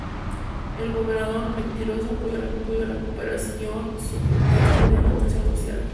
El gobernador Menem retiró su apoyo a la cooperativa so pretexto de "agitación social".